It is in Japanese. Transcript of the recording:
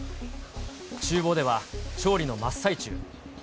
ちゅう房では調理の真っ最中。